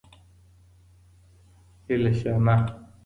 هیلهشانه